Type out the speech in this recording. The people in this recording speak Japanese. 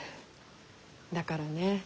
だからね